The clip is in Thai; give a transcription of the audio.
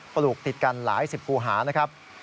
ปรุกติดกันหลายสิบครูหา